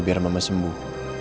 biar mama sembuh